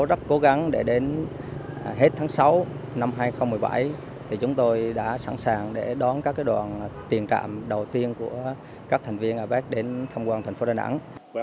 năm hai nghìn một mươi bảy chúng tôi đã sẵn sàng đón các đoàn tiền trạm đầu tiên của các thành viên apec đến thăm quan thành phố đà nẵng